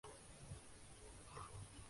Argentina نے ایسا کیا۔